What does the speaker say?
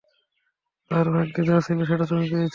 তার ভাগ্যে যা ছিল সেটা তুমি পেয়েছ।